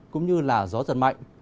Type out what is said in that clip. cũng như gió giật mạnh